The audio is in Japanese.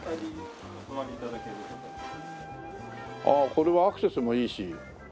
ああこれはアクセスもいいし。